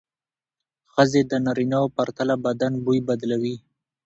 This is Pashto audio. ښځې د نارینه وو پرتله بدن بوی بدلوي.